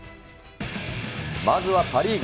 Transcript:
まずはパ・リーグ。